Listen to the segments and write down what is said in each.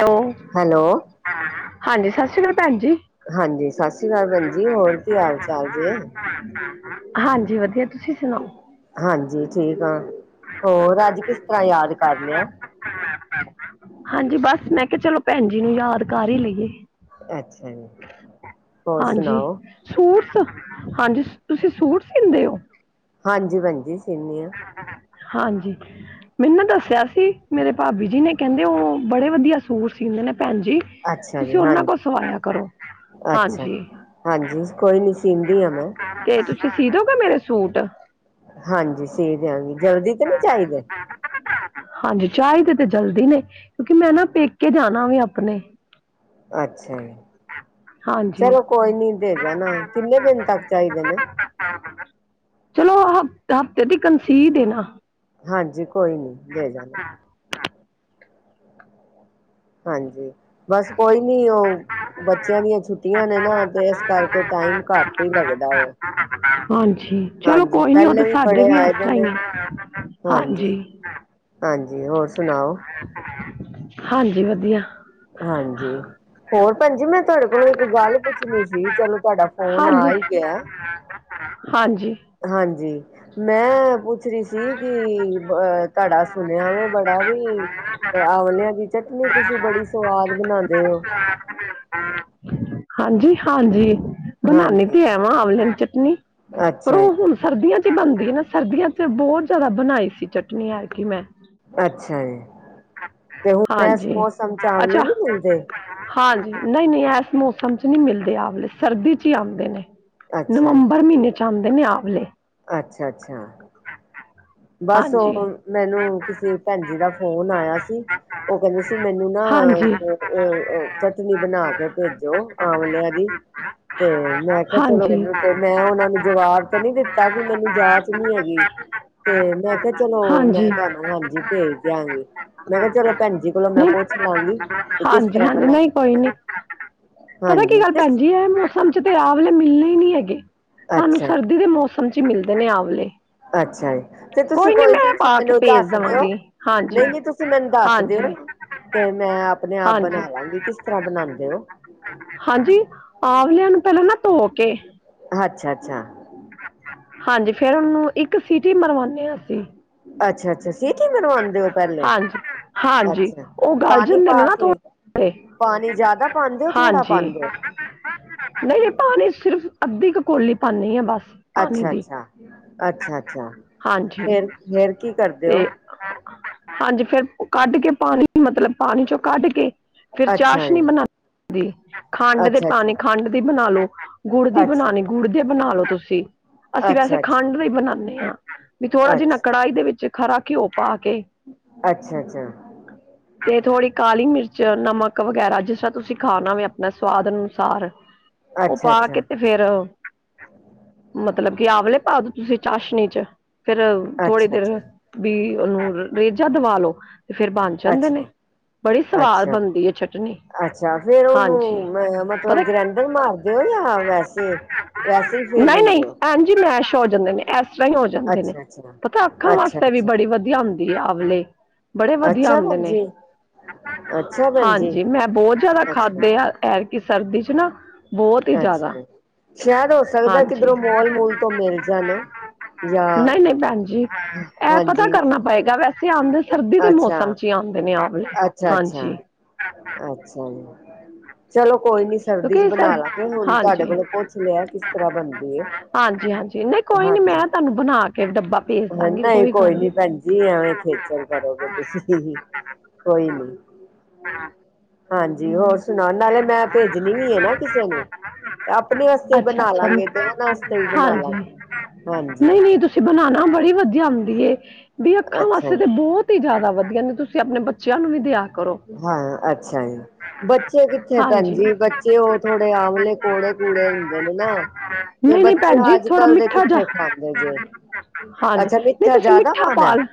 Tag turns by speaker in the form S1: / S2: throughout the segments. S1: Hello,
S2: hello.
S1: ਹਾਂਜੀ ਸਤਿ ਸ੍ਰੀ ਅਕਾਲ ਭੈਣ ਜੀ।
S2: ਹਾਂਜੀ ਸਤਿ ਸ੍ਰੀ ਅਕਾਲ ਭੈਣ ਜੀ ਹੋਰ ਕੀ ਹਾਲ ਚਾਲ ਜੇ
S1: ਹਾਂਜੀ ਵਧੀਆ ਤੁਸੀਂ ਸੁਣਾਓ।
S2: ਹਾਂਜੀ ਠੀਕ ਆ ਹੋਰ ਅੱਜ ਕਿਸ ਤਰ੍ਹਾਂ ਯਾਦ ਕਰ ਲਿਆ।
S1: ਹਾਂਜੀ ਬਸ ਮੈਂ ਕਿਹਾ ਚਲੋ ਭੈਣ ਜੀ ਨੂੰ ਯਾਦ ਕਰ ਹੀ ਲਈਏ।
S2: ਅੱਛਾ ਜੀ ਹੋਰ
S1: ਹਾਂਜੀ
S2: ਸੁਣਾਓ?
S1: ਸੂਟਸ ਹਾਂਜੀ ਤੁਸੀਂ ਸੂਟ ਸੀਦੇ ਹੋ?
S2: ਹਾਂਜੀ ਭੈਣ ਜੀ ਸੀਦੇ ਆ।
S1: ਹਾਂਜੀ। ਮੈਨੂੰ ਦੱਸਿਆ ਸੀ ਮੇਰੇ ਭਾਬੀ ਜੀ ਨੇ ਕਹਿੰਦੇ ਉਹ ਬੜੇ ਵਧੀਆ ਸੂਟ ਸੀਦੇ ਨੇ ਭੈਣ ਜੀ।
S2: ਅੱਛਾ
S1: ਤੁਸੀਂ
S2: ਜੀ
S1: ਉਹਨਾਂ
S2: ਹਾਂਜੀ
S1: ਕੋਲ ਸਵਾਇਆ ਕਰੋ।
S2: ਅੱਛਾ
S1: ਹਾਂਜੀ
S2: ਹਾਂਜੀ ਕੋਈ ਨੀ ਸੀਦੀ ਆ ਮੈਂ।
S1: ਤੇ ਤੁਸੀਂ ਸੀਦੋਗੇ ਮੇਰੇ ਸੂਟ।
S2: ਹਾਂਜੀ ਸੀ ਦਿਆਗੀ ਜਲਦੀ ਤੇ ਨਹੀਂ ਚਾਹੀਦੇ
S1: ਹਾਂਜੀ ਚਾਹੀਦੇ ਤੇ ਜਲਦੀ ਨੇ। ਕਿਉਂਕਿ ਮੈਂ ਨਾ ਪੇਕੇ ਜਾਣਾ ਵੈ ਆਪਣੇ।
S2: ਅੱਛਾ ਜੀ
S1: ਹਾਂਜੀ
S2: ਚਲੋ ਕੋਈ ਨੀ ਦੇ ਜਾਣਾ ਕਿੰਨੇ ਦਿਨ ਤੱਕ ਚਾਹੀਦੇ ਨੇ।
S1: ਚਲੋ ਹਫ਼ਤੇ ਦੀ ਤੱਕ ਸਿਣ ਦੇਣਾ।
S2: ਹਾਂਜੀ ਕੋਈ ਨੀ ਦੇ ਜਾਣਾ। ਹਾਂਜੀ ਬਸ ਕੋਈ ਨੀ ਉਹ ਬੱਚਿਆਂ ਦੀਆਂ ਛੁੱਟੀਆਂ ਨੇ ਨਾ ਤੇ ਇਸ ਕਰਕੇ ਟਾਈਮ ਘੱਟ ਹੀ ਲੱਗਦਾ ਵੇ।
S1: ਹਾਂਜੀ ਚਲੋ ਕੋਈ ਨੀ
S2: ਪਹਿਲੇ
S1: ਸਾਡੇ
S2: ਬੜੇ
S1: ਵੀ ਇਸ
S2: ਆਏ ਦੇ
S1: ਤਰ੍ਹਾਂ
S2: ਨੇ
S1: ਹੀ ਆ ਹਾਂਜੀ।
S2: ਹਾਂਜੀ ਹੋਰ ਸੁਣਾਓ।
S1: ਹਾਂਜੀ ਵਧੀਆ
S2: ਹਾਂਜੀ ਹੋਰ ਭੈਣ ਜੀ ਮੈਂ ਤੁਹਾਡੇ ਕੋਲੋਂ ਇੱਕ ਗੱਲ ਪੁੱਛਣੀ ਸੀ ਚਲੋ ਤੁਹਾਡਾ ਫੋਨ ਆ
S1: ਹਾਂਜੀ
S2: ਹੀ ਗਿਆ।
S1: ਹਾਂਜੀ
S2: ਹਾਂਜੀ ਮੈਂ ਪੁੱਛ ਰਹੀ ਸੀ ਕਿ ਅ ਤੁਹਾਡਾ ਸੁਣਿਆ ਮੈਂ ਬੜਾ ਵੀ ਤੇ ਆਂਵਲਿਆਂ ਦੀ ਚਟਨੀ ਤੁਸੀਂ ਬੜੀ ਸਵਾਦ ਬਣਾਂਦੇ ਹੋ।
S1: ਹਾਂਜੀ- ਹਾਂਜੀ ਬਣਾਨੀ
S2: ਹਾਂਜੀ।
S1: ਤੇ ਐ ਵਾਂ ਆਂਮਲਿਆ ਚਟਨੀ ਪਰ
S2: ਅੱਛਾ ਜੀ,
S1: ਉਹ ਹੁਣ ਸਰਦੀਆਂ 'ਚ ਬਣਦੀ ਨਾ ਸਰਦੀਆਂ 'ਚ ਬਹੁਤ ਜ਼ਿਆਦਾ ਬਣਾਈ ਸੀ ਚਟਨੀ ਐਰਕੀ ਮੈਂ
S2: ਅੱਛਾ ਜੀ ਤੇ ਹੁਣ ਇਸ
S1: ਹਾਂਜੀ
S2: ਮੌਸਮ ਆਂਵਲੇ
S1: ਅੱਛਾ
S2: ਨੀ ਮਿਲਦੇ।
S1: ਹਾਂਜੀ ਨਹੀਂ- ਨਹੀਂ ਇਸ ਮੌਸਮ 'ਚ ਨਹੀਂ ਮਿਲਦੇ ਆਂਵਲੇ ਸਰਦੀ 'ਚ ਹੀ ਆਉਂਦੇ ਨੇ।
S2: ਅੱਛਾ
S1: ਨਵੰਬਰ ਮਹੀਨੇ 'ਚ ਆਉਂਦੇ ਨੇ ਆਂਵਲੇ
S2: ਅੱਛਾ- ਅੱਛਾ ਬਸ
S1: ਹਾਂਜੀ
S2: ਉਹ ਮੈਨੂੰ ਕਿਸੇ ਭੈਣ ਜੀ ਦਾ ਫੋਨ ਆਇਆ ਸੀ। ਉਹ ਕਹਿੰਦੇ ਸੀ ਮੈਨੂੰ ਨਾ
S1: ਹਾਂਜੀ।
S2: ਚਟਨੀ ਬਣਾ ਕੇ ਭੇਜੋ ਆਂਵਲਿਆਂ ਦੀ। ਤੇ ਮੈਂ ਕਿਹਾ ਚਲੋ
S1: ਹਾਂਜੀ।
S2: ਏਨੂੰ ਤੇ ਮੈਂ ਓਨਾਂ ਨੂੰ ਜਵਾਬ ਤੇ ਨੀ ਦਿੱਤਾ ਕੀ ਮੈਨੂੰ ਜਾਚ ਨੀ ਹੈਗੀ। ਤੇ ਮੈਂ ਕਿਹਾ ਚਲੋ
S1: ਹਾਂਜੀ।
S2: ਮੈਂ ਤੁਹਾਨੂੰ ਹਾਂਜੀ ਭੇਜ ਦਿਆਂਗੀ। ਮੈਂ ਕਿਆ ਚਲੋ ਭੈਣ ਜੀ ਕੋਲੋਂ ਮੈਂ
S1: ਨਹੀਂ
S2: ਪੁੱਛ ਲਾਂਗੀ ਤੇ ਕਿਸ
S1: ਹਾਂਜੀ
S2: ਤਰ੍ਹਾਂ
S1: ਹਾਂਜੀ ਨਹੀਂ
S2: ਬਣਾਦੇ
S1: ਕੋਈ
S2: ਪਏ
S1: ਨੀ
S2: ਨੇ।
S1: ਪਤਾ ਕੀ
S2: ਹਾਂਜੀ
S1: ਗੱਲ
S2: ਕਿਸ
S1: ਭੈਣਜੀ ਐ ਮੈਂ- ਉਂਜ ਤੇ ਮੌਸਮ 'ਚ ਤੇ ਆਵਲੇ ਮਿਲਣੇ ਈ ਨੀ ਹੈਗੇ ਸਾਨੂੰ
S2: ਅੱਛਾ
S1: ਸਰਦੀ ਦੇ ਮੌਸਮ 'ਚ ਈ ਮਿਲਦੇ ਨੇ ਆਂਵਲੇ
S2: ਅੱਛਾ ਜੀ ਤੇ ਤੁਸੀਂ ਕੋਈ ਨੀ ਤੁਸੀਂ
S1: ਪਾ ਕੇ
S2: ਮੈਨੂੰ
S1: ਭੇਜ
S2: ਦਸ ਦਿਓ।
S1: ਦੇਵਾਂਗੀ ਹਾਂਜੀ।
S2: ਨਹੀ-ਨਹੀ ਤੁਸੀਂ ਮੈਨੂੰ ਦੱਸ
S1: ਹਾਂਜੀ
S2: ਦਿਓ। ਤੇ ਮੈਂ ਆਪਣੇ ਆਪ
S1: ਹਾਂਜੀ
S2: ਬਣਾ ਲਾਂਗੀ ਕਿਸ ਤਰ੍ਹਾਂ ਬਣਾਦੇ ਓ।
S1: ਹਾਂਜੀ ਆਂਵਲਿਆਂ ਨੂੰ ਪਹਿਲਾਂ ਨਾ ਧੋ ਕੇ
S2: ਅੱਛਾ -ਅੱਛਾ
S1: ਹਾਂਜੀ ਫਿਰ ਉਹਨੂੰ ਇੱਕ ਸੀਟੀ ਮਰਵਾਣੇ ਹਾਂ ਅਸੀਂ
S2: ਅੱਛਾ -ਅੱਛਾ ਸੀਟੀ ਮਰਵਾਉਂਦੇ ਹੋ ਪਹਿਲੇ
S1: ਹਾਂਜੀ ਹਾਂਜੀ
S2: ਅੱਛਾ
S1: ਉਹ ਗਲ
S2: ਪਾਣੀ
S1: ਜਾਂਦੇ ਨੇ
S2: ਪਾ
S1: ਨਾ
S2: ਕੇ
S1: ਥੋੜੇ
S2: ਪਾਣੀ ਜਿਆਦਾ ਪਾਂਦੇ ਹੋ ਥੋੜਾ
S1: ਹਾਂਜੀ
S2: ਪਾਂਦੇ ਹੋ।
S1: ਨਹੀਂ ਇਹ ਪਾਣੀ ਸਿਰਫ ਅੱਧੀ ਕ ਕੋਲੀ ਪਾਂਣੀ ਆ ਬਸ ਪਾਣੀ
S2: ਅੱਛਾ-
S1: ਦੀ
S2: ਅੱਛਾ -ਅੱਛਾ -ਅੱਛਾ
S1: ਹਾਂਜੀ
S2: ਫੇਰ- ਫੇਰ ਕੀ ਕਰਦੇ ਹੋ।
S1: ਤੇ ਹਾਂਜੀ ਫੇਰ ਕੱਢ ਕੇ 'ਚ ਪਾਣੀ ਮਤਲਬ ਪਾਣੀ 'ਚੋਂ ਕੱਢ ਕੇ ਫਿਰ
S2: ਅੱਛਾ
S1: ਚਾਸ਼ਨੀ
S2: ਜੀ,
S1: ਬਣਾਂਦੀ ਖੰਡ ਦੇ
S2: ਅੱਛਾ ਅੱਛਾ,
S1: ਪਾਣੀ ਖੰਡ ਦੀ ਬਣਾ ਲਓ। ਗੁੜ ਦੀ
S2: ਅੱਛਾ
S1: ਬਣਾਣੀ
S2: ਜੀ,
S1: ਗੁੜ ਦੇ ਬਣਾ ਲਓ ਤੁਸੀਂ ਅਸੀਂ ਵੈਸੇ
S2: ਅੱਛਾ ਅੱਛਾ,
S1: ਖੰਡ ਲਈ ਬਣਾਦੇ ਹਾਂ। ਵੀ ਥੋੜਾ ਜਿਹੀ ਨਾ
S2: ਅੱਛਾ।
S1: ਕੜਾਹੀ ਦੇ ਵਿੱਚ ਖਰਾ ਘਿਓ ਪਾ ਕੇ
S2: ਅੱਛਾ- ਅੱਛਾ
S1: [inaudible] ਤੇ ਥੋੜ੍ਹੀ ਕਾਲੀ ਮਿਰਚ ਨਮਕ ਵਗੈਰਾ ਜਿਸ ਤਰ੍ਹਾਂ ਤੁਸੀਂ ਖਾਣਾ ਵੇ ਆਪਣਾ ਸਵਾਦ ਅਨੁਸਾਰ ਤੇ ਓ
S2: ਅੱਛਾ
S1: ਪਾ
S2: ਅੱਛਾ,
S1: ਕੇ ਤੇ ਫੇਰ ਮਤਲਬ ਕਿ ਆਵਲੇ ਪਾ ਦੋ ਤੁਸੀਂ ਚਾਸ਼ਨੀ 'ਚ ਫੇਰ ਥੋੜੀ
S2: ਅੱਛਾ
S1: ਦੇਰ
S2: ਅੱਛਾ,
S1: ਵੀ ਓਨੂੰ ਰ ਰੇਜਾ ਦਵਾ ਲੋ ਤੇ ਫੇਰ ਬਣ ਜਾਂਦੇ ਨੇ।
S2: ਅੱਛਾ।
S1: ਬੜੀ ਸਵਾਦ
S2: ਅੱਛਾ
S1: ਬਣਦੀ ਐ ਚਟਨੀ।
S2: ਅੱਛਾ ਫੇਰ ਓਨੂੰ
S1: ਹਾਂਜੀ
S2: ਮ
S1: ਪਤਾ
S2: ਮਤਲਬ ਗ੍ਰੈਂਡਰ ਮਾਰ ਦੇਓ ਯਾਂ ਵੈਸੇ ਵੈਸੇ ਹੀ ਫੇਰ
S1: ਨਹੀ-ਨਹੀ
S2: ਦਿੰਦੇ ਹੋ
S1: ਭੈਣਜੀ ਮੈਸ਼ ਹੋ ਜਾਂਦੇ ਨੇ ਐਸ ਤਰ੍ਹਾਂ ਈ ਹੋ ਜਾਂਦੇ ਨੇ
S2: ਅੱਛਾ ਅੱਛਾ
S1: ਪਤਾ ਅੱਖਾਂ
S2: ਅੱਛਾ
S1: ਵਾਸਤੇ ਵੀ
S2: ਅੱਛਾ
S1: ਬੜੀ ਵਧੀਆ ਹੁੰਦੀ ਆਵਲੇ ਬੜੇ ਵਧੀਆ
S2: ਅੱਛਾ
S1: ਹੁੰਦੇ
S2: ਭੈਣ
S1: ਨੇ,
S2: ਜੀ ਅੱਛਾ ਭੈਣ ਜੀ
S1: ਹਾਂਜੀ ਮੈਂ ਬੋ ਜਾਦਾ
S2: ਅੱਛਾ
S1: ਖਾਦੇ ਆ। ਐਰ ਕੀ ਸਰਦੀ ਚ ਨਾ ਬਹੁਤ ਹੀ
S2: ਅੱਛਾ
S1: ਜ਼ਿਆਦਾ
S2: ਜੀ, ਸ਼ੈਦ ਹੋ ਸਕਦਾ ਕਿੱਧਰੋਂ ਮੋਲ ਮੂਲ ਤੋਂ ਮਿਲ ਜਾਣ ਜਾਂ
S1: ਨਈ-ਨਈ ਭੈਣ ਜੀ ਐ ਪਤਾ
S2: ਹਾਂਜੀ
S1: ਕਰਨਾ ਪਏਗਾ ਵੈ ਤੇ ਆਂਦੇ ਸਰਦੀ ਦੇ
S2: ਅੱਛਾ
S1: ਮੌਸਮ ਚ ਈ ਆਂਦੇ ਨੇ ਆਵਲੇ
S2: ਅੱਛਾ ਅੱਛਾ
S1: ਹਾਂਜੀ।
S2: ਅੱਛਾ ਜੀ। ਚਲੋ ਕੋਈ ਨੀ ਸਰਦੀ ਚ
S1: ਕਿਉਂਕਿ ਸਰ
S2: ਬਣਾ ਲਾਂਗੇ ਹੁਣ ਤੁਹਾਡੇ
S1: ਹਾਂਜੀ
S2: ਕੋਲੋਂ ਪੁੱਛ ਲਿਆ ਕਿਸ ਤ੍ਰਾ ਬਣਦੇ ਐ।
S1: ਆਜੀ- ਹਾਂਜੀ ਨਈ ਕੋਨੀ ਮੈਂ ਤੁਹਾਨੂੰ ਬਣਾ ਕੇ ਡੱਬਾ ਭੇਜ ਦਾਂਗੀ
S2: ਨਈ
S1: ਗੱਲ
S2: ਕੋਈ
S1: ਨਹੀਂ
S2: ਨੀ ਭੈਣਜੀ ਐਵੇਂ ਖੇਚਲ ਕਰੋਗੇ ਤੁਸੀਂ। ਕੋਈ ਨੀ।
S1: ਹਾਂ।
S2: ਹਾਂਜੀ ਹੋਰ ਸੁਣਾ ਨਾਲ ਮੈਂ ਭੇਜਣੀ ਵੀ ਐ ਨਾ ਕਿਸੇ ਨੂੰ, ਤੇ ਆਪਣੇ ਵਾਸਤੇ ਵੀ
S1: ਅੱਛਾ
S2: ਬਣਾ
S1: ਅੱਛਾ
S2: ਲਾਂਗੇ ਤੇ ਓਨਾਂ ਵਾਸਤੇ ਵੀ ਬਣਾ ਲਾਂਗੇ। ਹਾਂਜੀ
S1: ਨਈ-ਨਈ ਤੁਸ ਸੀ ਬਣਾਣਾ ਬੜੀ ਵਧੀਆ ਹੁੰਦੀ ਏ, ਵੀ ਅੱਖਾਂ
S2: ਅੱਛਾ
S1: ਵਾਸਤੇ ਤੇ
S2: ਜੀ
S1: ਬੋਤ ਈ ਜਾਦਾ ਵਧੀਆ ਨੇ ਤੁ ਤੇ ਆਪਣੇ ਬੱਚਿਆਂ ਨੂੰ ਵੀ ਦਿਆ ਕਰੋ।
S2: [unintelligible] ਅੱਛਾ ਜੀ। ਬੱਚੇ ਕਿੱਥੇ
S1: ਹਾਂਜੀ।
S2: ਭੈਣਜੀ ਬੱਚੇ ਓ ਥੋੜੇ ਆਮਲੇ ਕੌੜੇ ਕੂੜੇ ਹੁੰਦੇ ਨੇ ਨਾ ਤੇ
S1: ਨਹੀਂ ਨਹੀਂ
S2: ਬੱਚੇ
S1: ਭੈਣ ਜੀ
S2: ਅੱਜ
S1: ਥੋੜਾ
S2: ਕੱਲ ਦੇ
S1: ਮਿੱਠਾ ਜਾ
S2: ਕਿੱਥੇ ਖਾਂਦੇ ਜੇ।
S1: ਹਾਂਜੀ
S2: ਅੱਛਾ
S1: ਨਹੀਂ
S2: ਮਿੱਠਾ
S1: ਤੁਸੀਂ
S2: ਜਾਦਾ ਪਾਣਾ?
S1: ਪਾ ਲ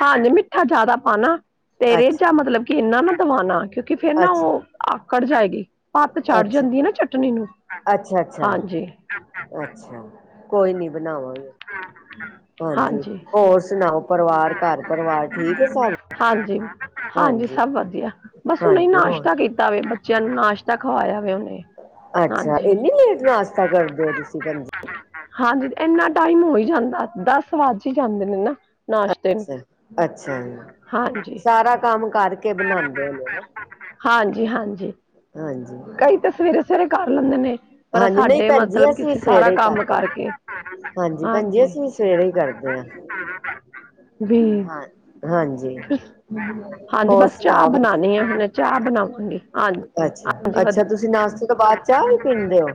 S1: ਹਾਂਜੀ ਮਿੱਠਾ ਜਾਦਾ ਪਾਨਾ ਤੇ ਰੇਜਾ ਜਾਂ
S2: ਅੱਛਾ
S1: ਮਤਲਬ ਕਿ ਏਨਾ ਨਾ ਦਵਾਣਾ ਕਿਉਂਕਿ ਫੇਰ ਨਾ ਓ
S2: ਅੱਛਾ
S1: ਆਕੜ ਜਾਏਗੀ, ਭੱਤ ਚੜ
S2: ਅੱਛਾ
S1: ਜਾਂਦੀ ਆ ਨਾ ਚਟਨੀ ਨੂੰ
S2: ਅੱਛਾ ਅੱਛਾ
S1: ਹਾਂਜੀ [inaudible]
S2: ਅੱਛਾ ਕੋਈ ਨੀ ਬਣਾਵਾਂ ਹਾਂਜੀ ਹੋਰ ਸੁਣਾਓ ਪਰਿਵਾਰ ਘਰ ਪਰਿਵਾਰ ਠੀਕ ਐ ਸਭ?
S1: ਹਾਂਜੀ-ਹਾਂਜੀ
S2: ਹਾਂਜੀ
S1: ਸਭ ਵਧੀਆ ਬਸ ਉਹ
S2: ਹਾਂਜੀ ਹੁਣ
S1: ਨਾਸ਼ਤਾ ਕੀਤਾ ਵਵੇ ਜਦ ਨਾਸ਼ਤਾ ਖਵਾਇਆ ਵ ਉਨੇ
S2: ਅੱਛਾ ਏਨੀ ਲੇਟ ਨਾਸ਼ਤਾ ਕਰਦੇ ਹੋ ਤੁਸੀਂ ਭੈਂਜੀ
S1: ਹਾਂਜੀ ਏਨਾ ਟਾਈਮ ਹੋ ਹੀ ਜਾਂ ਦਸ ਵੱਜ ਈਜਾਂਦੇ ਨੇ ਨਾ। ਨਾਸ਼ਤੇ ਨੂੰ
S2: ਅੱਛਾ ਜ-ਅੱਛਾ ਜ
S1: ਹਾਂਜੀ
S2: ਸਾਰਾ ਕੰਮ ਕਰਕੇ ਬਣਾਉਂਦੇ ਹੋਦੇ?
S1: ਹਾਂਜੀ-ਹਾਂਜੀ।
S2: ਹਾਂਜੀ।
S1: ਕਈ ਤਾਂ ਸਵੇਰੇ-ਸਵੇਰੇ ਕਰ ਲੈਂਦੇ ਨੇ ਪਰ
S2: ਹਾਂਜੀ ਨਹੀਂ
S1: ਸਾਡੇ
S2: ਭੈਣ ਜੀ
S1: ਮਤਲਬ ਕੀ ਅਸੀਂ ਸਾਰਾ
S2: ਸਵੇਰੇ ਹੀ
S1: ਕੰਮ
S2: ਕਰ ਲੈਂਦੇ
S1: ਕਰਕੇ
S2: ਭੈਣ ਜੀ
S1: ਹਾਂਜੀ
S2: ਅਸੀਂ ਵੀ ਸਵੇਰੇ ਹੀ ਕਰਦੇ ਹਾਂ
S1: [unintelligible] ਵੀ,
S2: ਹਾਂ ਹਾਂਜੀ
S1: [unintelligible] ਹਾਂਜੀ
S2: ਹੋਰ
S1: ਬਸ ਚਾਅ
S2: ਸੁਣਾਓ ਭੈਣ
S1: ਬਣਾਣੀ ਐ ਹੁਣੇ। ਚਾਅ ਬਣਾਵਗੀ ਆਂਜ
S2: ਅੱਛਾ-ਅੱਛਾ ਤੁਸੀਂ ਨਾਸ਼ਤੇ ਤੋਂ ਬਾਦ ਚਾਅ ਵੀ ਪੀਂਦੇ ਓ?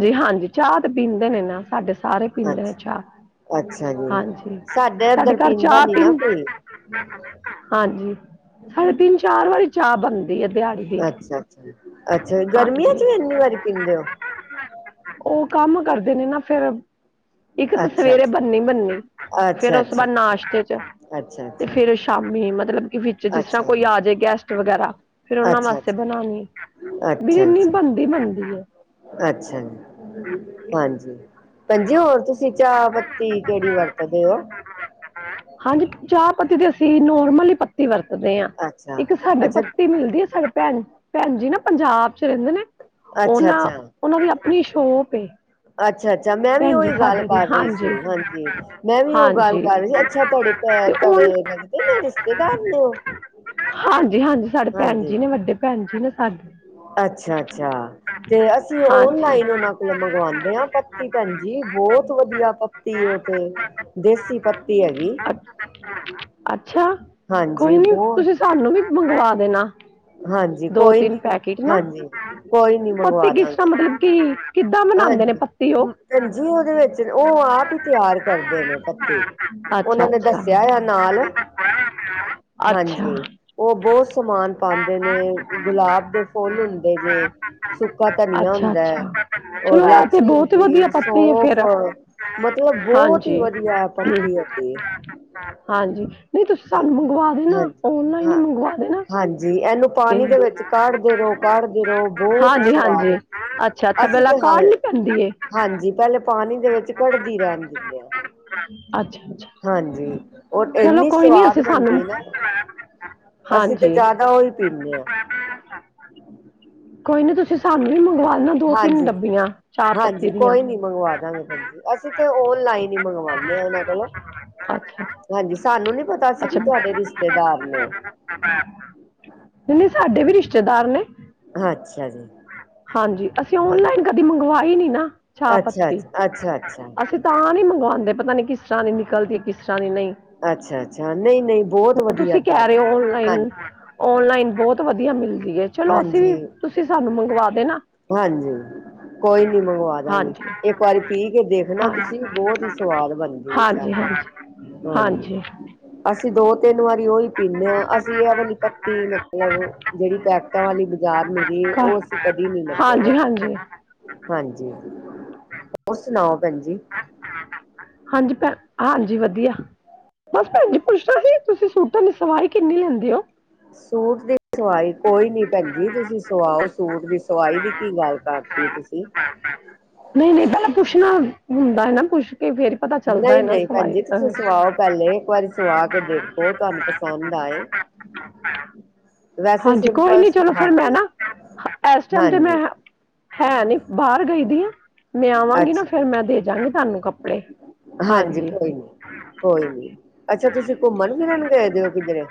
S1: ਜੀ ਹਾਂਜੀ ਚਾਅ ਤੇ ਪੀਂਦੇ ਨੇ ਨਾ ਸਾਡੇ ਸਾਰੇ ਪੀਂਦੇ ਨੇ ਚਾਹ
S2: ਅੱਛ-ਅੱਛਾ ਜੀ,
S1: ਹਾਂਜੀ
S2: ਸਾਡਾ
S1: ਸਾਡੇ
S2: ਏਦਰ
S1: ਘਰ
S2: ਪੀਦਾ
S1: ਚਾਹ
S2: ਨੀ ਨਾ
S1: ਤਿੰਨ
S2: ਕੋਈ। [unintelligible]
S1: ਹਾਂਜੀ ਸਾਡੀ ਤੀਂ-ਚਾਰ ਵੀ ਚਾਅ ਬਣਦੀ ਆ ਦਿਹਾੜੀ ਦੀ।
S2: ਅੱਛਾ ਅੱਛਾ ਜ ਗਰਮੀਆਂ ਚ ਵੀ ਇੰਨੀ ਵਾਰੀ ਪੀਂਦੇ ਓ?
S1: ਓ ਕੰਮ ਕਰਦੇ ਨੇ ਨਾ ਫੇਰ। ਇੱਕ ਤਾਂ
S2: ਅੱਛਾ
S1: ਸਵੇਰੇ
S2: ਅੱਛਾ
S1: ਬਨਨੀ -ਬਨਨੀ ਫੇਰ
S2: ਅੱਛਾ
S1: ਓ ਸ ਤੋਂ
S2: ਅੱਛਾ
S1: ਬਾਦ ਨਾਸ਼ਤੇ ਚ।
S2: ਅੱਛਾ ਅੱਛਾ
S1: ਤੇ ਫੇਰ ਸ਼ਾਮੀ ਮਲਬ ਕਿ ਵਿੱਚ
S2: ਅੱਛਾ
S1: ਜਿਸ ਤਰਾ
S2: ਅੱਛਾ
S1: ਕੋਈ
S2: ਜੀ
S1: ਆਜੇ ਗੈਸਟ ਵਗੈਰਾ ਫੇਰ ਉਨਾਂ ਵਾਸ
S2: ਅੱਛਾ
S1: ਤੇ
S2: ਅੱਛਾ
S1: ਬਣਾਣੀ ਵੀ
S2: ਅੱਛਾ
S1: ਈਨੀ ਬਣਦੀ ਬਣਦੀ ਏ।
S2: ਅੱਛਾ ਜੀ, ਹਾਂਜੀ। ਭੈਜੀ ਹੋਰ ਤੁਸੀਂ ਚਾਅ ਪੱਤੀ ਕੇੜੀ ਵਰਤਦੇ ਓ?
S1: ਹਾਂਜੀ ਚਾਅ ਪੱਤੀ ਤੇ ਅਸੀਂ ਨੋਰਮਲ ਹੀ ਪ ਤੀ ਵਰਤਦੇ ਆ,
S2: ਅੱਛਾ
S1: ਇੱਕ ਸਾਡੇ
S2: ਅੱਛਾ
S1: ਪਤੀ ਮਿਲਦੀ ਐ ਸਾਡੇ ਭੈ ਭੈਣ ਜੀ ਨਾ ਪੰਜਾਬ ਚ ਰਹਿੰਦੇ ਨੇ
S2: ਅੱਛਾ
S1: ਉਹਨਾਂ
S2: ਅੱਛਾ
S1: ਉਹਨਾਂ ਦੀ ਆਪਣੀ ਸ਼ੋਪ ਏ।
S2: ਅੱਛਾ ਅੱਛਾ ਮੈਂ ਵੀ
S1: ਭੈਣ ਜੀ
S2: ਉਹੀ ਗੱਲ
S1: ਸਾਡੇ ਦੀ
S2: ਕਰ ਰਹੀ ਸੀ
S1: ਹਾਂਜੀ।
S2: ਹਾਂਜੀ ਮੈਂ ਵੀ ਉਹ ਗੱਲ
S1: ਹਾਂਜੀ
S2: ਕਰ ਰਹੀ ਸੀ ਅੱਛਾ ਤੁਹਾਡੇ।
S1: ਤੇ ਹੁਣ
S2: ਤੁਹਾੜੇ ਲੱਗਦੇ ਨੇ ਰਿਸ਼ਤੇਦਾਰ ਨੇ ਓ।
S1: ਹਾਂਜੀ ਹਾਂਜੀ ਸਾਡੇ ਭੈਣ ਜੀ ਨੇ ਵੱਡੇ ਭੈਣ ਜੀ ਨੇ ਸਾਡੇ।
S2: ਅੱਛਾ ਅੱਛਾ ਤੇ ਅਸੀਂ
S1: ਹਾਂਜੀ।
S2: ਓਨਲਾਈਨ ਉਹਨਾਂ ਕੋਲ ਮੰਗਵਾਉਂਦੇ ਹਾਂ। ਪਤੀ ਭੈਣਜੀ ਬਹੁਤ ਵਧੀਆ ਪੱਤੀ ਓਥੇ ਦੇਸੀ ਪੱਤੀ ਹੈਗੀ।
S1: ਅੱਛ-
S2: ਹਾਂਜੀ।
S1: ਅੱਛਾ ਕੋਈ ਨੀ
S2: ਬਹੁਤ
S1: ਤੁਸੀਂ ਸਾਨੂੰ ਵੀ ਮੰਗਵਾ ਦੇਣਾ
S2: ਹਾਂਜੀ
S1: ਦੋ
S2: ਕੋਈ
S1: ਤਿੰਨ
S2: ਨੀ
S1: ਪੈਕੇਟ ਨਾ
S2: ਹਾਂਜੀ ਕੋਈ ਨੀ
S1: ਪੱਤੀ
S2: ਮੰਗਵਾ
S1: ਕਿਸ ਤਰਹਾ
S2: ਦਾਂਗੇ
S1: ਮਤਲਬ ਕਿ। ਕਿੱਦਾਂ ਮਨਾਉਂਦੇ ਨੇ। ਉਹ?
S2: ਪੈਂਜੀ ਉਹਦੇ ਵਿੱਚ ਉਹ ਆਪ ਹੀ ਤਿਆਰ ਕਰਦੇ ਨੇ ਪੱਤੇ। ਉਹਨਾਂ ਨੇ
S1: ਅੱਛਾ-ਅੱਛਾ,
S2: ਦੱਸਿਆ ਹੋਯਾ ਆ ਨਾਲ
S1: ਅੱਛਾ। ਅੱਛਾ
S2: ਹਾਂਜੀ ਉਹ ਬਹੁਤ ਸਮਾਨ। ਪਾਂਦੇ ਨੇ ਗੁਲਾਬ ਦੇ ਫੁੱਲ ਹੁੰਦੇ ਜੇ ਸੁੱਕਾ ਧਨੀਆ
S1: ਅੱਛਾ
S2: ਹੁੰਦਾ
S1: ਅੱਛਾ
S2: ਹੈ। ਔਰ
S1: ਚਲੋ ਇਹ ਤੇ
S2: ਲਾਚੀ
S1: ਬਹੁਤ ਵਧੀਆ
S2: ਹੁੰਦੀ
S1: ਪਤੀ ਆ
S2: ਸੌਂਫ
S1: ਫੇਿਰ
S2: ਮਤਲਬ ਬਹੁਤ ਹੀ
S1: ਹਾਂਜੀ
S2: ਵਧੀਆ
S1: ਹਮ।
S2: ਪੱਤੀ ਹੈਗੀ
S1: ਹਾਂਜੀ। ਨਹੀਂ ਤੁਸੀਂ ਸਾਨੂੰ ਮੰਗਵਾ ਦੇਣਾ
S2: ਹਾਂਜੀ
S1: ਓਨਲਾਈਨ ਹੀ
S2: ਹਾਂ
S1: ਮੰਗਵਾ ਦੇਣਾ।
S2: ਹਾਂਜੀ ਇਹਨੂੰ ਪਾਣੀ ਦੇ ਵਿੱਚ ਕਾਢਦੇ ਰਹੋ ਕਾਢਦੇ ਰਹੋ ਬਹੁਤ
S1: ਹਾਂਜੀ ਹਾਂਜੀ
S2: ਸਵਾਦ
S1: ਅੱਛਾ ਅੱਛਾ
S2: ਅਸੀਂ
S1: ਪਹਿਲਾ
S2: ਤੇ ਹਾਂ
S1: ਕਾਰਨੀ ਪੈਂਦੀ ਏ।
S2: ਹਾਂਜੀ ਪਹਿਲੇ ਪਾਣੀ ਦੇ ਵਿੱਚ ਕੜਦੀ ਰਹਿਣ ਦਿੰਦੇ ਆ।
S1: ਅੱਛਾ ਅੱਛਾ
S2: ਹਾਂਜੀ ਰ
S1: ਚਲੋ
S2: ਇੰਨੀ।
S1: ਕੋਈ ਨਹੀਂ
S2: ਸਵਾਦ
S1: ਅਸੀਂ ਸਾਨੂੰ
S2: ਬਣਦੀ ਨਾ। ਅਸੀਂ ਤਾਂ
S1: ਹਾਂਜੀ
S2: ਜ਼ਿਆਦਾ ਉਹ ਹੀ ਪੀਣੇ ਆ।
S1: ਕੋਈ ਨੀ ਤੁਸੀਂ ਸਾਨੂੰ ਵੀ ਮੰਗਵਾ। ਦੇਣਾ ਦੋ ਤਿੰਨ
S2: ਹਾਂਜੀ
S1: ਡੱਬੀਆਂ ਚਾਹ ਪੱਤੀ
S2: ਹਾਂਜੀ
S1: ਦੀਆਂ
S2: ਕੋਈ ਨੀ ਮੰਗਵਾ ਦਾਂਗੇ ਭੈੰਜੀ ਅਸੀਂ ਤੇ ਓਨਲਾਈਨ ਹੀ ਮੰਗਵਾਦੇ ਹਾਂ ਨਾਂ। ਹੈਲੋ।
S1: ਅੱਛਾ
S2: ਹਾਂਜੀ ਸਾਨੂੰ ਨੀ ਪਤਾ ਸੀ ਕਿ
S1: ਅੱਛਾ
S2: ਤੁਹਾਡੇ ਰਿਸ਼ਤੇਦਾਰ ਨੇ ਉਹ।
S1: ਨਹੀਂ ਸਾਡੇ ਵੀ ਰਿਸ਼ਤੇਦਾਰ ਨੇ।
S2: ਅੱਛਾ ਜੀ।
S1: ਹਾਂਜੀ ਅਸੀਂ ਓਨਲਾਈਨ ਕਦੇ ਮੰਗਵਾਈ ਨੀ ਨਾ ਚਾਹ
S2: ਅੱਛਾ
S1: ਪੱਤੀ
S2: ਅੱਛਾ ਅੱਛਾ ਅੱਛਾ
S1: ਅਸੀਂ। ਤਾਂ ਨਹੀਂ ਮੰਗਵਾਉਂਦੇ। ਪਤਾ ਨਹੀਂ ਕਿਸ ਤਰ੍ਹਾਂ ਦੀ ਨਿਕਲ ਦੀ ਹੈ ਕਿਸ ਤਰ੍ਹਾਂ ਦੀ ਨਹੀ।
S2: ਅੱਛਾ ਅੱਛਾ। ਨਹੀਂ ਨਹੀਂ ਬਹੁਤ ਵਧੀਆ ਚਾਵਲ। ਹਾਂਜੀ।
S1: ਔਨਲਾਈਨ ਬਹੁਤ ਵਧੀਆ ਮਿਲਦੀ ਹੈ। ਚਲੋ ਅਸੀਂ ਵੀ
S2: ਹਾਂਜੀ।
S1: ਤੁਸੀਂ ਸਾਨੂੰ ਮੰਗਵਾ ਦੇਣਾ।
S2: ਹਾਂਜੀ। ਕੋਈ ਨੀ ਮੰਗਵਾ ਦਾਂਗੇ
S1: ਹਾਂਜੀ
S2: ਇੱਕ ਵਾਰੀ ਪੀ ਕੇ ਦੇਖਣਾ
S1: ਹਾਂ
S2: ਤੁਸੀਂ ਬਹੁਤ ਹੀ ਸਵਾਦ ਬਣਦੀ ਹੈ ਚਾਹ
S1: ਹਾਂਜੀ ਹਾਂਜੀ। ਹਾਂਜੀ।
S2: ਅਸੀਂ ਦੋ ਤਿੰਨ ਵਾਰੀ ਉਹੀ ਪੀਂਦੇ ਹਾਂ ਅਸੀਂ ਇਹ ਵਾਲੀ ਪੱਤੀ ਮਤਲਬ ਜਿਹੜੀ ਪੈਕ। ਟਾਂ ਵਾਲੀ ਬਾਜ਼ਾਰ ਮਿਲਦੀ ਏ
S1: ਘਰ
S2: ਉਹ ਅਸੀਂ ਕਦੀ ਨੀ ਮਤਲਬ।
S1: ਹਾਂਜੀ ਹਾਂਜੀ
S2: ਹਾਂਜੀ ਹੋਰ ਸੁਣਾਓ ਭੈਣ ਜੀ।
S1: ਹਾਂਜੀ ਭੈ ਹਾਂਜੀ ਵਧੀਆ ਬਸ ਭੈਣ ਜੀ ਪੁੱਛਦਾ ਸੀ। ਤੁਸੀਂ ਸ ਸੂਟਾ ਦੀ ਸਵਾਈ ਕਿੰਨੀ ਲੈਂਦੇ ਹੋ।
S2: ਸੂਟ ਦੀ ਸਵਾਈ ਕੋਈ ਨੀ ਭੈਣਜੀ ਤੁਸੀਂ ਸਵਾਓ ਸੂਟ ਦੀ ਸਵਾਈ ਦੀ ਕੀ ਗੱਲ ਕਰ। ਤੀ ਤੁਸੀਂ।
S1: ਨਹੀਂ ਨਹੀਂ ਪਹਿਲਾਂ ਪੁੱਛਣਾ ਹੁੰਦਾ ਹੈ ਨਾ। ਪੁੱਛ ਕੇ ਫੇਰ। ਪਤਾ ਚੱਲਦਾ ਹੈ
S2: ਨਹੀਂ
S1: ਨਾ।
S2: ਨਹੀਂ
S1: [inaudible]
S2: ਭੈਣ ਜੀ ਤੁਸੀਂ
S1: ਹਾਂ।
S2: ਸਵਾਓ ਪਹਿਲੇ ਇੱਕ ਵਾਰੀ ਸਵਾ ਕੇ ਦੇਖੋ ਤੁਹਾਨੂੰ ਪਸੰਦ ਆਏ ਵੈਸੇ
S1: ਹਾਂਜੀ। ਕੋਈ
S2: ਸਿੰਪਲ
S1: ਨੀ ਚਲੋ ਫਿਰ ਮੈਂ
S2: ਹਾਂਜੀ
S1: ਨਾ ਇਸ ਟਾਈਮ ਤੇ ਮੈਂ।
S2: ਹਾਂਜੀ
S1: ਹੈ ਨੀ ਬਾਹਰ ਗਈ ਦੀ ਆ। ਮੈਂ ਆਵਾਂਗੀ ਨਾਂ
S2: ਅੱਛਾ ਜੀ
S1: ਫਿਰ ਮੈਂ ਦੇ ਜਾਵਾਂਗੀ ਤੁਹਾਨੂੰ ਕੱਪੜੇ।
S2: ਹਾਂਜੀ ਕੋਈ ਨੀ। ਕੋਈ ਨੀ। ਅੱਛਾ ਤੁਸੀਂ ਘੁੰਮਣ ਫਿਰਨ ਗਏ ਦੇ ਹੋ ਕਿਧਰੇ।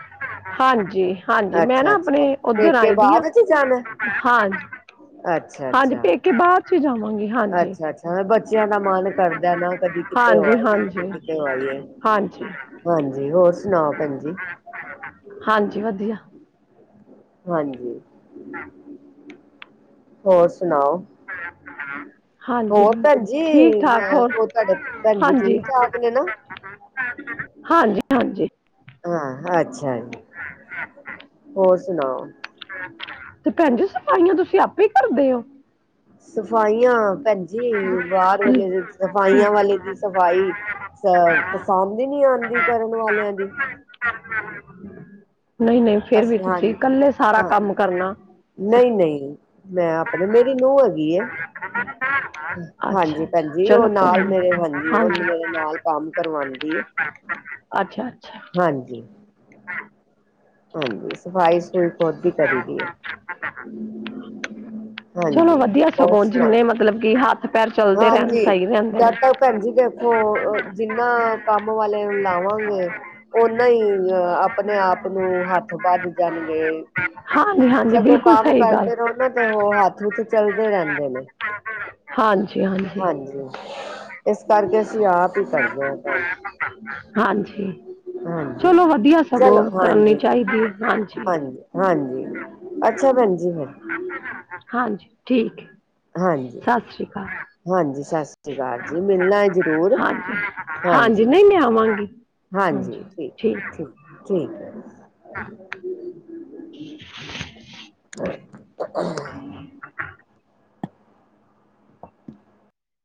S1: ਹਾਂਜੀ ਹਾਂਜੀ। ਮੈਂ ਨਾ
S2: ਅੱਛਾ
S1: ਆਪਣੇ
S2: ਅੱਛਾ
S1: ਉੱਧਰ
S2: ਪੇਕੇ
S1: ਆਈ ਦੀ ਹਾਂ।
S2: ਬਾਅਦ ਚ ਜਾਣਾ
S1: ਹਾਂ
S2: ਅੱਛਾ
S1: ਹਾਂਜੀ।
S2: ਅੱਛਾ
S1: ਪੇਕੇ ਬਾਅਦ ਚ ਜਾਵਾਂਗੀ ਹਾਂਜੀ।
S2: ਅੱਛਾ ਬੱਚਿਆਂ ਦਾ ਮਨ ਕਰਦਾ ਨਾ, ਕਦੀ ਕਿਤੇ ਹੋ
S1: ਹਾਂਜੀ
S2: ਆਈਏ। ਕਦੀ
S1: ਹਾਂਜੀ
S2: ਕਿਤੇ ਹੋ ਆਈਏ।
S1: ਹਾਂਜੀ
S2: ਹਾਂਜੀ। ਹੋਰ ਸੁਣਾਓ ਭੈਣ ਜੀ।
S1: ਹਾਂਜੀ ਵਧੀਆ।
S2: ਹਾਂਜੀ।
S1: ਹਾਂ।
S2: ਹੋਰ ਸੁਣਾਓ।
S1: ਹ ਹਾਂ।
S2: ਹੋਰ ਭੈਣਜੀ। ਅ ਉਹ ਤੁਹਾਡੇ ਭੈਣ ਜੀ
S1: ਹਾਂਜੀ
S2: ਠੀਕ- ਠਾਕ ਨੇ ਨਾ?
S1: ਹਾਂਜੀ- ਹਾਂਜੀ।
S2: ਹਾਂ ਅੱਛਾ ਜੀ।
S1: ਹ। [inaudible]
S2: ਹੋਰ ਸੁਣਾਓ।
S1: ਤੇ ਭੈਣ ਜੀ, ਸਫਾਈਆਂ ਤੁਸੀਂ ਆਪੇ ਕਰਦੇ ਹੋ?
S2: ਸਫ਼ਾਈਆਂ ਭੈਣਜੀ ਬਾਹਰ ਵਾਲੇ ਸਫ਼ਾਈਆਂ ਵਾਲੇ ਦੀ ਸਫ਼ਾਈ ਅ ਪਸੰਦ ਹੀ ਨਹੀਂ ਆਉਂਦੀ ਕਰਨ ਵਾਲਿਆਂ ਦੀ।
S1: ਨਹੀਂ- ਨਹੀਂ। ਫੇਰ ਵੀ
S2: ਅਸੀਂ
S1: ਤੁਸੀਂ
S2: ਹਾਂਜੀ
S1: ਇਕੱਲੇ ਸਾਰਾ
S2: ਹਾਂ
S1: ਕੰਮ ਕਰਨਾ।
S2: ਨਹੀਂ -ਨਹੀਂ। ਮੈਂ ਆਪਣੇ ਮੇਰੀ ਨੂੰਹ ਹੈਗੀ ਹੈ।
S1: [inaudible] ਅੱਛਾ, ਅੱਛਾ।
S2: ਹਾਂਜੀ ਭੈਣਜੀ ਉਹ
S1: ਚਲੋ ਕੋਈ
S2: ਨਾਲ
S1: ਨੀ
S2: ਮੇਰੇ ਉਹ
S1: ਹਾਂਜੀ।
S2: ਮੇਰੇ ਨਾਲ ਕੰਮ ਕਰਵਾਉਂਦੀ ਹੈ
S1: ਅੱਛਾ, ਅੱਛਾ।
S2: ਹਾਂਜੀ,
S1: ਹਾਂ,
S2: ਹਾਂਜੀ, ਸਫ਼ਾਈ ਸਫਈ, ਖੁਦ ਹੀ ਕਰੀ ਦੀ ਹੈ।
S1: ਚਲੋ
S2: ਹਾਂਜੀ,
S1: ਵਧੀਆ
S2: ਹੋਰ
S1: ਸਗੋਂ
S2: ਸੁਣਾ।
S1: ਜਿੰਨੇ ਮਤਲਬ ਕਿ, ਹੱਥ, ਪੈਰ ਚੱਲਦੇ ਰਹਿਣ
S2: ਹਾਂਜੀ
S1: ਸਹੀ ਰਹਿੰਦੇ ਨੇ।
S2: ਜਦ ਤੱਕ ਭੈਣ ਜੀ ਦੇਖੋ, ਜਿੰਨਾ ਕੰਮ, ਵਾਲੇ ਲਾਵਾਂਗੇ। ਉਹਨਾਂ ਹੀ, ਆਪਣੇ ਆਪ ਨੂੰ, ਹੱਥ ਬਜ ਜਾਣਗੇ।
S1: ਹਾਂਜੀ, ਹਾਂਜੀ,
S2: ਸਗੋਂ
S1: ਬਿਲਕੁਲ
S2: ਕੰਮ
S1: ਸਹੀ ਗੱਲ
S2: ਕਰਦੇ ਰਹੋ ਨਾ, ਤੇ ਉਹ ਹੱਥ ਹੂਥ ਚਲਦੇ, ਰਹਿੰਦੇ ਨੇ।
S1: ਹਾਂਜੀ, ਹਾਂਜੀ,
S2: ਇਸ ਕਰਕੇ ਅਸੀਂ ਆਪ ਹੀ ਕਰਦੇ ਹਾਂ ਕੰਮ
S1: ਹਾਂਜੀ।
S2: ਹਾਂਜੀ
S1: ਚਲੋ ਵਧੀਆ ਸਗੋਂ।
S2: ਚਲੋ
S1: ਕਰਨੀ
S2: ਹਾਂਜੀ
S1: ਚਾਹੀਦੀ ਹਾਂਜੀ।
S2: ਅੱਛਾ ਭੈਣ ਜੀ।
S1: ਹਾਂਜੀ ਠੀਕ ਹੈ।
S2: ਹਾਂਜੀ
S1: ਸਤਿ ਸ੍ਰੀ ਅਕਾਲ।
S2: ਹਾਂਜੀ ਸਤਿ ਸ਼੍ਰੀ ਅਕਾਲ ਜੀ। ਮਿਲਣਾ ਜ਼ਰੂਰ। ਹਾਂਜੀ।
S1: ਕੀ ਲਿਆਵਾਂਗੀ?
S2: ਹਾਂਜੀ ਠੀਕ ਹੈ। ਠੀਕ ਠੀਕ ਹੈ।
S1: [inaudible]
S2: ਹ। [inaudible]
S1: [inaudible]